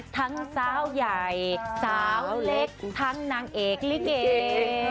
ทั้งสาวใหญ่สาวเล็กทั้งนางเอกลิเก